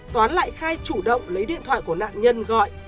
toán lại khai chủ động lấy điện thoại của nạn nhân gọi